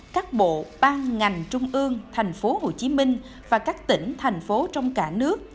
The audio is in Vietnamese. các bộ ban ngành trung ương thành phố hồ chí minh và các tỉnh thành phố trong cả nước